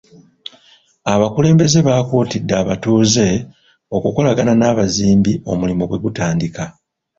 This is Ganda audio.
Abakulembeze baakuutidde abatuuze okukolagana n'abazimbi omulimu bwe gutandika.